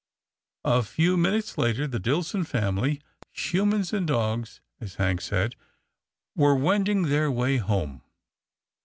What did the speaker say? A few minutes later, the Dillson family, " humans and dogs," as Hank said, were wending their way home.